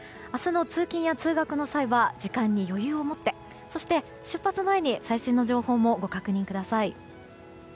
明日の通勤や通学の際は時間に余裕をもってそして、出発前に最新の情報もご確認ください。